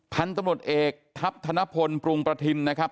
พันธุ์ตำรวจเอกทัพธนพลปรุงประทินนะครับ